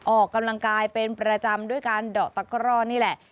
ออกกำลังกายเป็นประจำด้วยการเดาะตะกร่อนี่แหละ